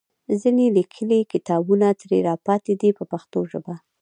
ځینې لیکلي کتابونه ترې راپاتې دي په پښتو ژبه.